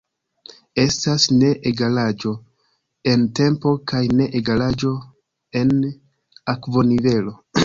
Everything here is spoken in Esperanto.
Estas ne-egalaĵo en tempo kaj ne-egalaĵo en akvonivelo.